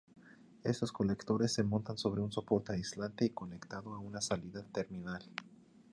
Estos colectores se montan sobre un soporte aislante y conectado a una salida terminal.